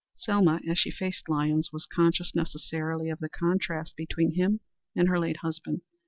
Selma, as she faced Lyons, was conscious necessarily of the contrast between him and her late husband.